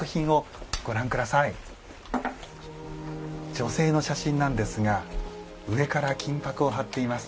女性の写真なんですが上から金箔を貼っています。